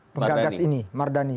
pengagas ini mardani